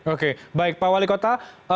oke baik pak wali kota